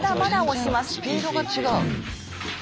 全然スピードが違う。